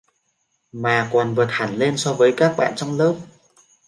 mà còn vượt hẳn lên so với các bạn trong lớp